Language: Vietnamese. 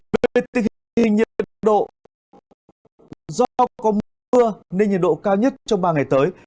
vì tình hình nhiệt độ do không có mưa nên nhiệt độ cao nhất trong ba ngày tới